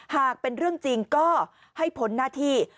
หากเป็นเรื่องจริงก็ให้พ้นหน้าที่